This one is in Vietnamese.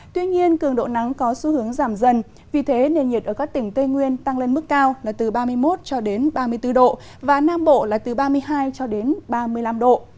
tuy nhiên cường độ nắng có xu hướng giảm dần vì thế nền nhiệt ở các tỉnh tây nguyên tăng lên mức cao là từ ba mươi một cho đến ba mươi bốn độ và nam bộ là từ ba mươi hai cho đến ba mươi năm độ